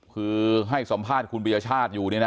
คือให้สัมภาษณ์คุณปียชาติอยู่เนี่ยนะ